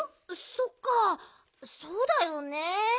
そっかそうだよね。